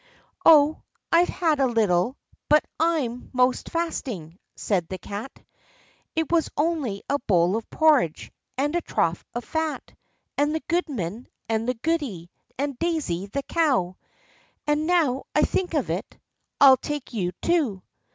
"Oh, I've had a little, but I'm 'most fasting," said the Cat; "it was only a bowl of porridge, and a trough of fat, and the goodman, and the goody, and Daisy the cow—and, now I think of it, I'll take you too."